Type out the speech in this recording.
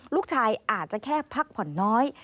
ลูกชายอาจจะแค่พักผ่อนน้อย